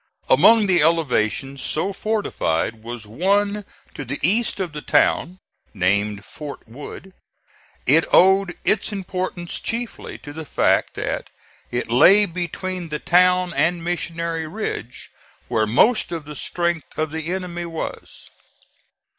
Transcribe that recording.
Among the elevations so fortified was one to the east of the town, named Fort Wood. It owed its importance chiefly to the fact that it lay between the town and Missionary Ridge, where most of the strength of the enemy was.